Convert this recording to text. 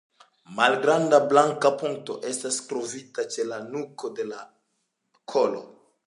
Malgranda blanka punkto estas trovita ĉe la nuko de la kolo.